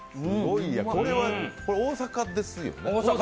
これは大阪ですよね？